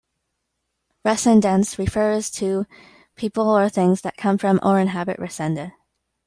Resendense refers to people or things that come from or inhabit Resende.